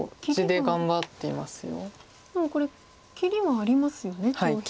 でもこれ切りはありますよね上辺。